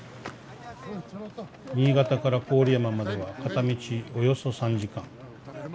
「新潟から郡山までは片道およそ３時間。